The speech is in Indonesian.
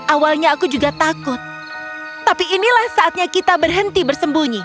awalnya aku juga takut tapi inilah saatnya kita berhenti bersembunyi